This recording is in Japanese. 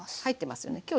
入ってますよね。